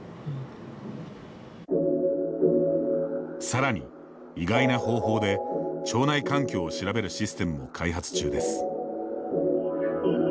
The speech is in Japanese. さらに意外な方法で腸内環境を調べるシステムも開発中です。